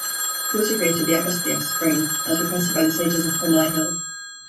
He also created the Agasthya spring as requested by the sages of Ponmalai hills.